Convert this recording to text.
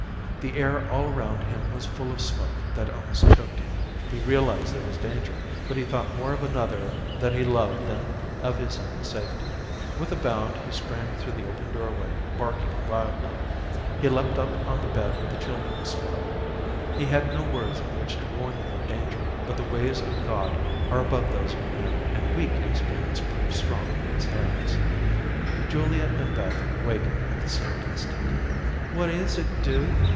The air all around him was full of smoke that almost choked him. He realized there was danger, but he thought more of another that he loved than of his own safety. With a bound, he sprang through the open doorway barking wildly. He leaped up on the bed where the children slept. He had no words in which to warn them of danger, but the ways of God are above those of men, and weak instruments prove strong in His hands. Julia and Beth wakened at the same instant. "What is it, Duke?"